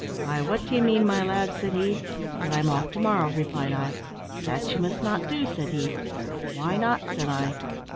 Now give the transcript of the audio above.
"`Why, what do you mean, my lad?' said he. "`That I'm off to morrow,' replied I. "`That you must not do,' said he. "`Why not?' said I.